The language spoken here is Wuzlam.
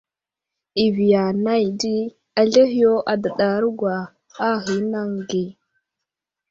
I viya anay di, azlehe yo adəɗargwa a ghay anaŋ age.